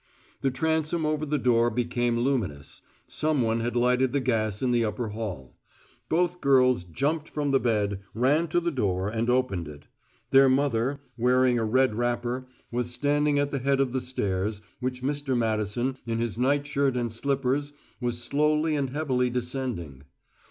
The transom over the door became luminous; some one had lighted the gas in the upper hall. Both girls jumped from the bed, ran to the door, and opened it. Their mother, wearing a red wrapper, was standing at the head of the stairs, which Mr. Madison, in his night shirt and slippers, was slowly and heavily descending.